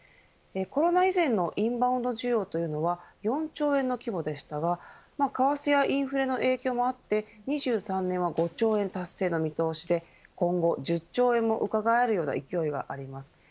コロナ以前のインバウンド需要というのは４兆円の規模でしたが為替やインフレの影響もあって２３年は５兆円達成の見通しで今後１０兆円もうかがえるような勢いがあります。